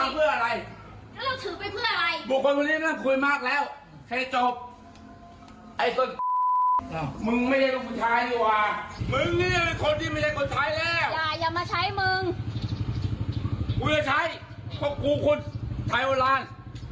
กูทุกคนใช้วันนเรียง